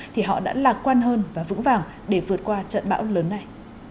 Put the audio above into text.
thì họ đã lạc quan hơn và vững vàng để vượt qua trận bão lớn này